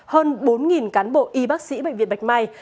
hơn bốn cán bộ y bác sĩ bệnh viện bạch mai